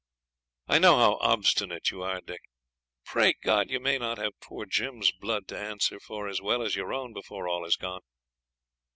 I know how obstinate you are, Dick. Pray God you may not have poor Jim's blood to answer for as well as your own before all is done.